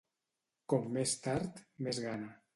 Com més tard, més gana.